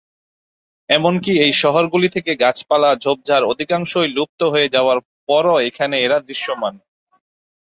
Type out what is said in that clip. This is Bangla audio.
এমনকি এই শহরগুলি থেকে গাছপালা ঝোপঝাড় অধিকাংশই লুপ্ত হয়ে যাওয়ার পরও এখানে এরা দৃশ্যমান।